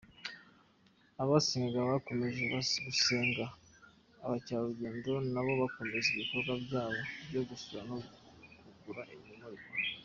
Abasengaga bakomeje gusenga abakerarugendo na bo bakomeza ibikorwa byabo byo gusura no kugura ibimurikwa.